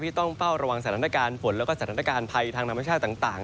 ต้องเฝ้าระวังสถานการณ์ฝนแล้วก็สถานการณ์ภัยทางธรรมชาติต่าง